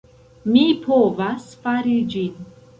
Mi povas fari ĝin.